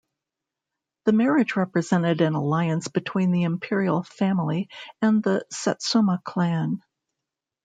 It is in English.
The marriage represented an alliance between the imperial family and the Satsuma clan.